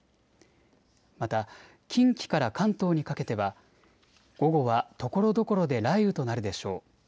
また近畿から関東にかけては午後はところどころで雷雨となるでしょう。